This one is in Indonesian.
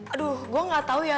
aduh gue gak tau ya